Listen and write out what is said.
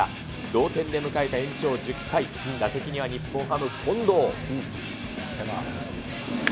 同点で迎えた延長１０回、打席には日本ハム、近藤。